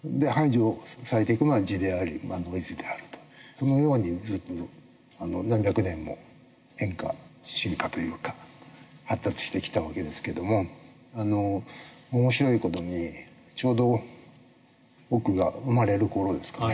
そのように何百年も変化進化というか発達してきた訳ですけども面白い事にちょうど僕が生まれる頃ですかね